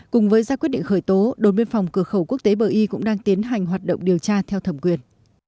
cùng với ra quyết định khởi tố đồn biên phòng cửa khẩu quốc tế bờ y cũng đang tiến hành hoạt động điều tra theo thẩm quyền